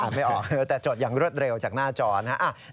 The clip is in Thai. ไม่ออกแต่จดอย่างรวดเร็วจากหน้าจอนะครับ